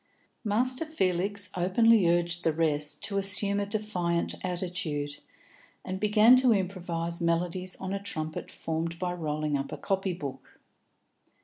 Master Felix openly urged the rest to assume a defiant attitude, and began to improvise melodies on a trumpet formed by rolling up a copy book.